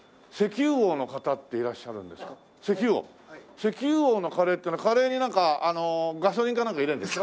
石油王のカレーっていうのはカレーになんかガソリンかなんか入れるんですか？